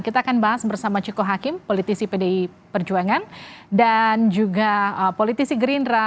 kita akan bahas bersama ciko hakim politisi pdi perjuangan dan juga politisi gerindra